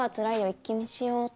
一気見しようっと。